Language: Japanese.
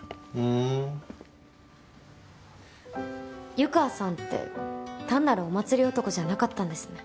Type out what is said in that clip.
湯川さんって単なるお祭り男じゃなかったんですね。